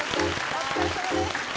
お疲れさまです。